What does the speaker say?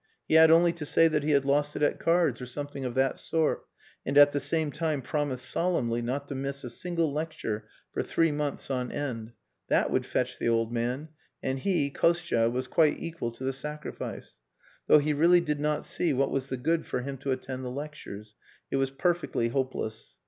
He had only to say that he had lost it at cards or something of that sort, and at the same time promise solemnly not to miss a single lecture for three months on end. That would fetch the old man; and he, Kostia, was quite equal to the sacrifice. Though he really did not see what was the good for him to attend the lectures. It was perfectly hopeless.